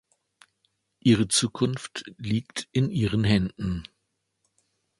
Ihre Zukunft liegt in ihren Händen.